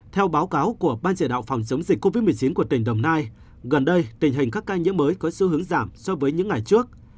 theo báo cáo của ban chỉ đạo phòng chống dịch covid một mươi chín của tỉnh đồng nai gần đây tình hình các ca nhiễm mới có xu hướng giảm so với những ngày trước